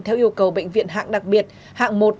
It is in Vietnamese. theo yêu cầu bệnh viện hạng đặc biệt hạng